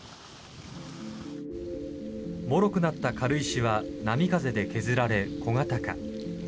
もろくなった軽石は波風で削られ小型化。